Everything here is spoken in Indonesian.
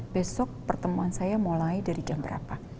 besok pertemuan saya mulai dari jam berapa